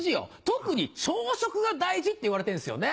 特に朝食が大事っていわれてんですよね。